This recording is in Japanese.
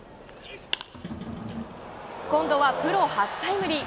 今度はプロ初タイムリー。